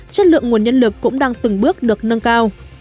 chất lượng nguồn nhân lực cũng đang từng bước được nâng cao